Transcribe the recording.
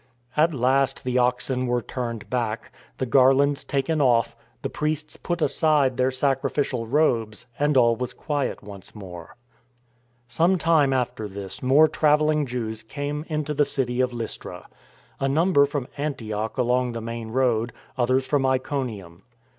At last the oxen were turned back, the garlands taken off, the priests put aside their sacrifi cial robes; and all was quiet once more. Some time after this more travelling Jews came into the city of Lystra; a number from Antioch along the main road, others from Iconium.